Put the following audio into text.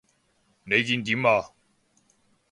你見點啊？